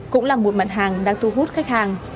cũng là một mặt hàng đang thu hút khách hàng